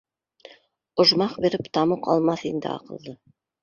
Ожмах биреп тамуҡ алмаҫ инде аҡылды